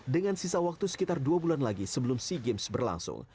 dengan sisa waktu sekitar dua bulan lagi sebelum sea games berlangsung